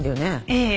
ええ。